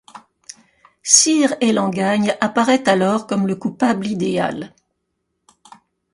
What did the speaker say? Sire Elangagne apparaît alors comme le coupable idéal.